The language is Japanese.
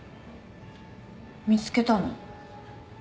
見つけたの？